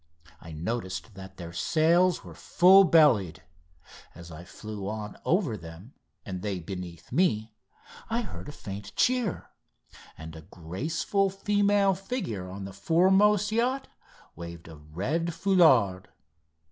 I noticed that their sails were full bellied. As I flew on over them, and they beneath me, I heard a faint cheer, and a graceful female figure on the foremost yacht waved a red foulard.